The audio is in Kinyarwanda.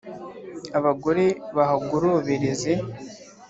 Abagore bahagorobereze